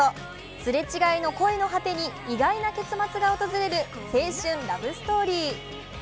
すれ違いの恋の果てに意外な結末が訪れる青春ラブストーリー。